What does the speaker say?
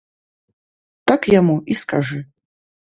Так яму і скажы.